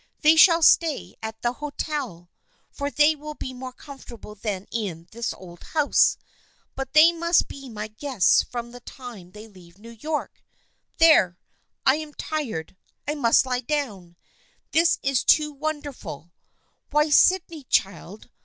They shall stay at the hotel, for they will be more comfortable than in this old house, but they must be my guests from the time they leave New York. There ! I am tired ! I must lie down. This is too wonder ful. Why, Sydney, child